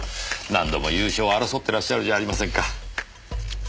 何度も優勝を争ってらっしゃるじゃありませんか。